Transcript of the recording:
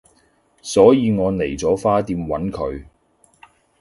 所以我嚟咗花店搵佢